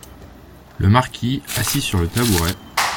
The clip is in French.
Le Marquis , assis sur le tabouret.